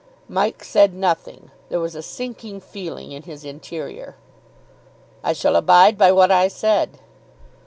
Mike said nothing; there was a sinking feeling in his interior. "I shall abide by what I said."